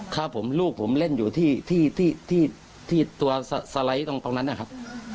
ครับผมลูกผมเล่นอยู่ที่ตัวสไลด์ตรงนั้นนะครับ